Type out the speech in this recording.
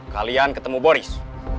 kalian ketemu boris